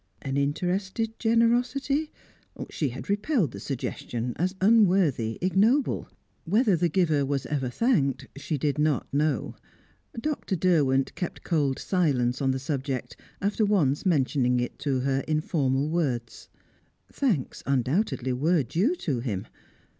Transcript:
An interested generosity? She had repelled the suggestion as unworthy, ignoble. Whether the giver was ever thanked, she did not know. Dr. Derwent kept cold silence on the subject, after once mentioning it to her in formal words. Thanks, undoubtedly, were due to him.